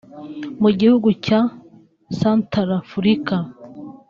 mu gihugu cya Santarafurika